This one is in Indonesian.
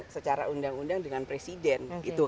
secara undang undang dengan presiden